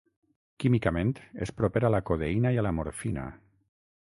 Químicament és proper a la codeïna i a la morfina.